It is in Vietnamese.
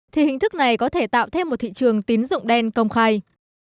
thì hình thức này có thể tạo thêm một thị trường tín dụng đen công khai